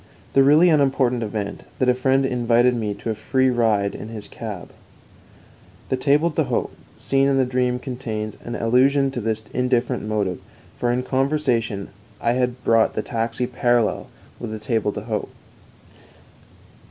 The really unimportant event, that a friend invited me to a free ride in his cab. The table d'hôte scene in the dream contains an allusion to this indifferent motive, for in conversation I had brought the taxi parallel with the table d'hôte.